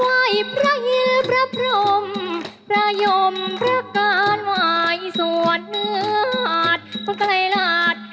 ว่ายพระหิวพระพรหมพระยมพระการณ์ว่ายสวดเมือหาดคนไกลหลาด